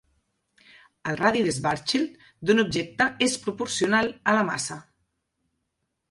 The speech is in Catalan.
El radi de Schwarzschild d'un objecte és proporcional a la massa.